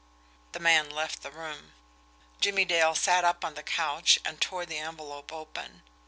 The man left the room. Jimmie Dale sat up on the couch, and tore the envelope open.